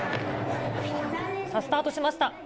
さあ、スタートしました。